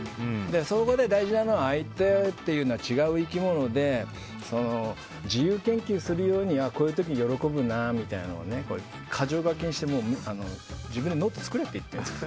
そこで大事なのは、相手は違う生き物で自由研究するようにこういう時は喜ぶなみたいなことを箇条書きにして自分でノートを作れって言ってるんです。